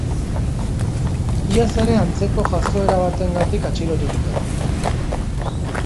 Iaz ere antzeko jazoera batengatik atxilotu zuten.